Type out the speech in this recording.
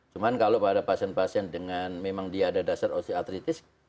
cuma kalau pada pasien pasien dengan memang dia ada dasar osiatritis